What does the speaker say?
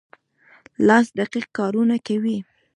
لاس دقیق کارونه کوي.